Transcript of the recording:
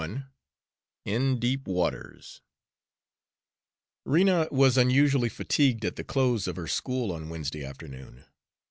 XXXI IN DEEP WATERS Rena was unusually fatigued at the close of her school on Wednesday afternoon.